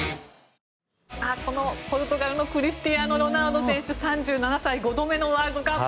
ポルトガルのクリスティアーノ・ロナウド選手３７歳５度目のワールドカップ。